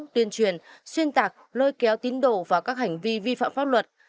tuyên truyền xuyên tạc lôi kéo tín đồ vào các hành vi vi phạm pháp luật